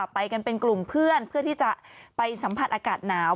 ไปกันเป็นกลุ่มเพื่อนเพื่อที่จะไปสัมผัสอากาศหนาว